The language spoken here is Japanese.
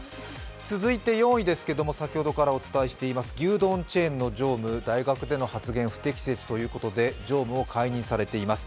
続いて４位ですけれども、先ほどからお伝えしています牛丼チェーンの常務、大学での発言不適切ということで常務を解任されています。